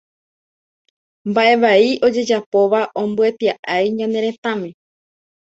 Mbaʼe vai ojejapóva ombyetiai ñane retãme.